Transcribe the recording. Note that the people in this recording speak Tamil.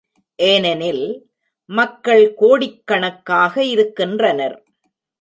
ஏனெனில், மக்கள் கோடிக்கணக்காக இருக்கின்றனர்.